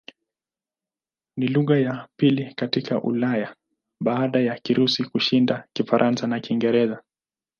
Ni lugha ya pili katika Ulaya baada ya Kirusi kushinda Kifaransa na Kiingereza.